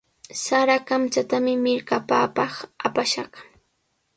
Sara kamchatami millkapanpaq apashqa.